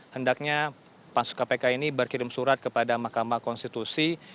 hendaknya pansus kpk ini berkirim surat kepada mahkamah konstitusi